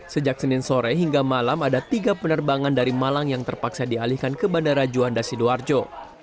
sejak senin sore hingga malam ada tiga penerbangan dari malang yang terpaksa dialihkan ke bandara juanda sidoarjo